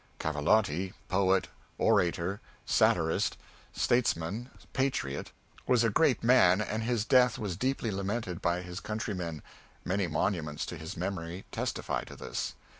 Cavalotti poet, orator, satirist, statesman, patriot was a great man, and his death was deeply lamented by his countrymen: many monuments to his memory testify to this.